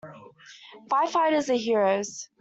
Firefighters are heroes.